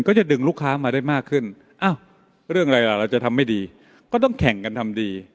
จะดึงลูกค้ามาได้มากขึ้นอ้าวเรื่องอะไรล่ะเราจะทำไม่ดีก็ต้องแข่งกันทำดี